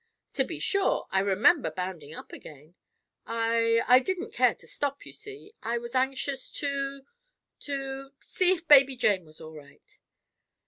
"To be sure. I remember bounding up again. I—I didn't care to stop, you see. I was anxious to—to—see if baby Jane was all right."